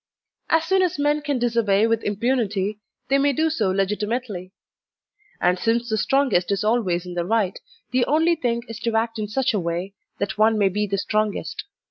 As soon as men can disobey with impunity, they may do so legitimately; and since the strongest is always in the right, the only thing is to act in such a way that one may be the strongest.